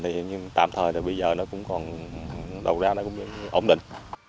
nhưng tạm thời thì bây giờ nó cũng còn đầu ra nó cũng ổn định